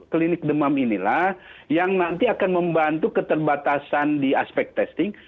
klinik demam inilah yang nanti akan membantu keterbatasan di aspek testing